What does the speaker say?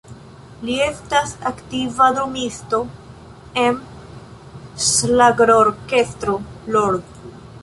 Li estas aktiva drumisto en ŝlagrorkestro "Lord".